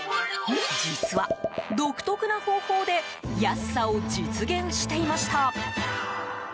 実は、独特な方法で安さを実現していました。